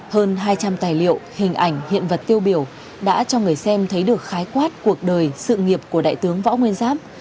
hơn hai trăm linh tài liệu hình ảnh hiện vật tiêu biểu đã cho người xem thấy được khái quát cuộc đời sự nghiệp của đại tướng võ nguyên giáp